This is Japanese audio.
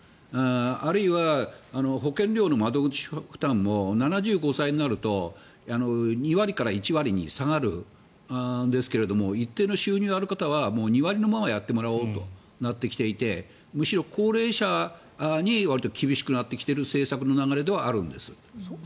あるいは、保険料の窓口負担も７５歳になると２割から１割に下がるんですが一定の収入のある方は２割のままやってもらおうとなってきていてむしろ高齢者にわりと厳しくなってきてる政策の流れではあるんです。